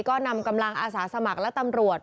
ก็นำกำลังอาสาสมัครและตำรวจ